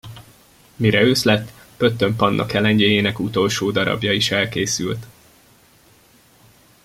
Mire ősz lett, Pöttöm Panna kelengyéjének utolsó darabja is elkészült.